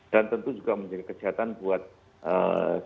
dan tentu juga menjaga kesehatan buat anak anak